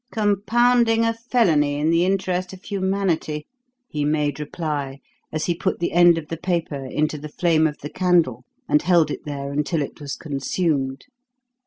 "Compounding a felony in the interest of humanity," he made reply as he put the end of the paper into the flame of the candle and held it there until it was consumed.